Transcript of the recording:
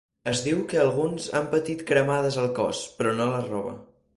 Es diu que alguns han patit cremades al cos, però no a la roba.